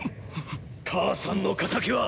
母さんの仇は！！